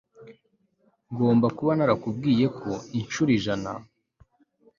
Ngomba kuba narakubwiye ko inshuro ijana